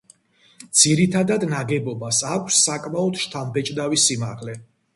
ძირითად ნაგებობას აქვს საკმაოდ შთამბეჭდავი სიმაღლე.